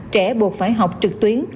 trẻ buộc phải học trực tuyến